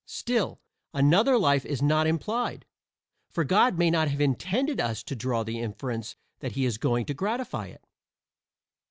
Still, another life is not implied, for God may not have intended us to draw the inference that he is going to gratify it.